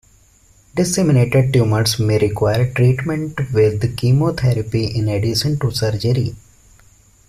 Disseminated tumors may require treatment with chemotherapy in addition to surgery.